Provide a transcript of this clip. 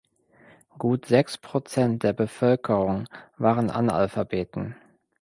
Gut sechs Prozent der Bevölkerung waren Analphabeten.